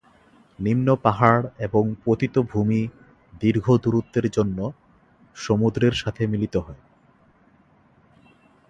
নিম্ন পাহাড় এবং পতিত ভূমি দীর্ঘ দূরত্বের জন্য সমুদ্রের সাথে মিলিত হয়।